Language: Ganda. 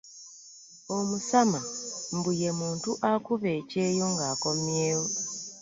Omusama mbu ye muntu akuba ekyeyo ng'akomyewo.